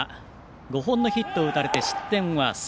５本のヒットを打たれて失点は３。